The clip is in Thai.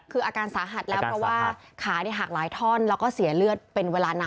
คืออาการสาหัสแล้วเพราะว่าขาหักหลายท่อนแล้วก็เสียเลือดเป็นเวลานาน